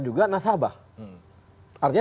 juga nasabah artinya